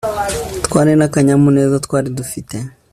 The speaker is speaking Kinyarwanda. twari nakanyamuneza twari dufite